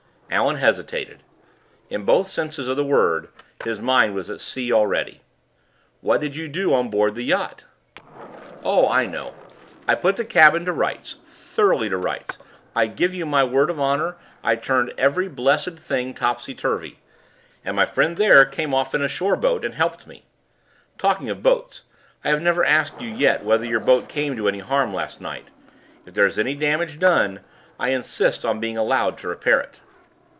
Allan hesitated. In both senses of the word his mind was at sea already. "What did you do on board the yacht?" "Oh, I know! I put the cabin to rights thoroughly to rights. I give you my word of honor, I turned every blessed thing topsy turvy. And my friend there came off in a shore boat and helped me. Talking of boats, I have never asked you yet whether your boat came to any harm last night. If there's any damage done, I insist on being allowed to repair it."